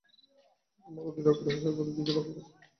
আমরা অধীর আগ্রহে সরকারের দিকে তাকিয়ে আছি।